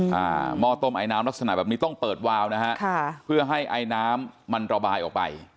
หม้อต้มไอน้ำลักษณะแบบนี้ต้องเปิดวาวนะฮะค่ะเพื่อให้ไอน้ำมันระบายออกไป